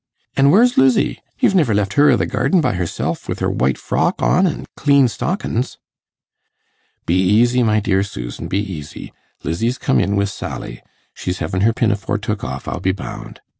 An' where's Lizzie? You've niver left her i' the garden by herself, with her white frock on an' clean stockins?' 'Be easy, my dear Susan, be easy; Lizzie's come in wi' Sally. She's hevin' her pinafore took off, I'll be bound.